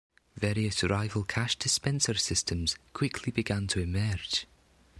Various rival cash dispenser systems quickly began to emerge.